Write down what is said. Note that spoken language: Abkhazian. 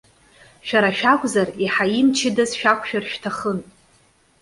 Шәара шәакәзар, еиҳа имчыдаз шәықәшәар шәҭахын.